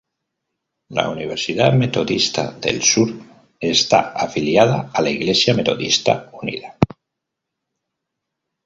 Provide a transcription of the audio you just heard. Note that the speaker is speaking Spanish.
La Universidad Metodista del Sur está afiliada a la Iglesia Metodista Unida.